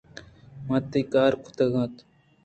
من تئی کار کُتگ